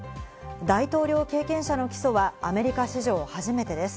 大統領経験者の起訴はアメリカ史上初めてです。